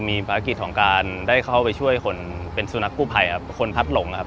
มีภารกิจของการได้เข้าไปช่วยคนเป็นสุนัขกู้ภัยครับคนพัดหลงครับ